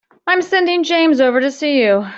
I'm sending James over to see you.